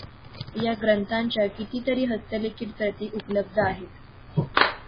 या ग्रंथाच्या कितीतरी हस्तलिखित प्रती उपलब्ध आहेत.